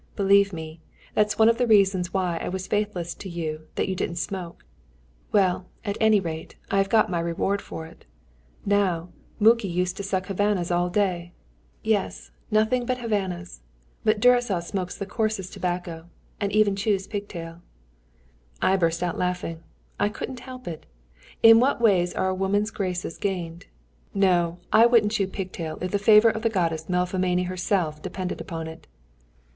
Believe me, that one of the reasons why I was faithless to you was that you didn't smoke. Well, at any rate, I have got my reward for it. "Now, Muki used to suck Havannahs all day. Yes, nothing but Havannahs; but Gyuricza smokes the coarsest tobacco, and even chews pigtail." I burst out laughing; I couldn't help it. In what ways are a woman's graces gained! No, I wouldn't chew pigtail if the favour of the Goddess Melpomene herself depended on it.